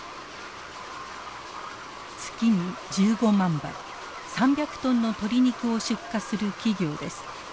月に１５万羽３００トンの鶏肉を出荷する企業です。